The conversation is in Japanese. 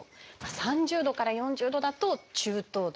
３０度から４０度だと「中等度」。